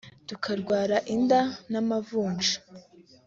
tukarwara inda n’amavuja